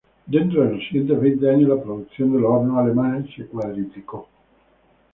Dentro de los siguientes veinte años, la producción de los hornos alemanes se cuadruplicó.